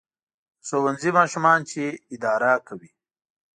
• د ښوونځي ماشومان یې چې اداره کوي.